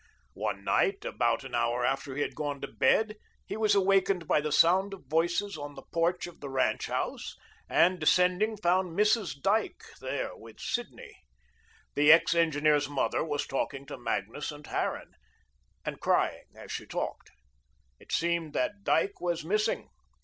One night, about an hour after he had gone to bed, he was awakened by the sound of voices on the porch of the ranch house, and, descending, found Mrs. Dyke there with Sidney. The ex engineer's mother was talking to Magnus and Harran, and crying as she talked. It seemed that Dyke was missing.